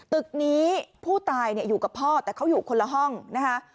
ตึกนี้ผู้ตายอยู่กับพ่อแต่เขาอยู่คนละห้องนะคะ